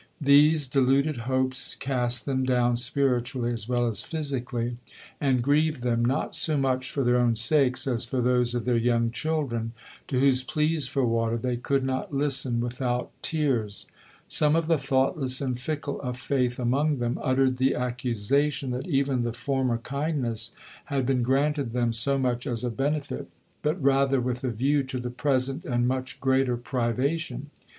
These deluded hopes cast them down spiritually as well as physically, and grieved them, not so much for their own sakes as for those of their young children, to whose pleas for water they could not listen without tears. Some of the thoughtless and fickle of faith among them uttered the accusation that even the former kindness had been granted them so much as a benefit, but rather with a view to the present and much greater privation.